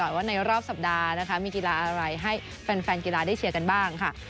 ว่าในรอบสัปดาห์นะคะมีกีฬาอะไรให้แฟนกีฬาได้เชียร์กันบ้างค่ะ